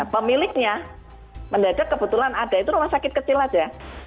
pemiliknya mendadak kebetulan ada itu rumah sakit kecil saja